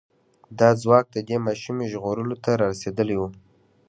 دا ځواک د دې ماشومې ژغورلو ته را رسېدلی و.